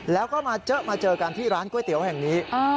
แล้วก็มาเจอมาเจอกันที่ร้านก๋วยเตี๋ยวแห่งนี้